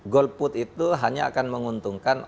golput itu hanya akan menguntungkan